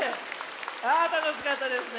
あたのしかったですね。